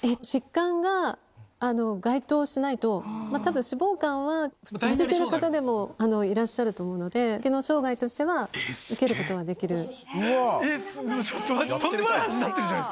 疾患が該当しないと、たぶん、脂肪かんは痩せてる方でもいらっしゃると思うので、機能障害としては受けることはできる。